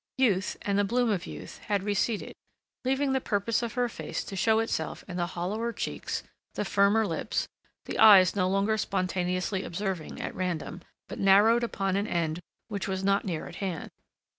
Youth, and the bloom of youth, had receded, leaving the purpose of her face to show itself in the hollower cheeks, the firmer lips, the eyes no longer spontaneously observing at random, but narrowed upon an end which was not near at hand.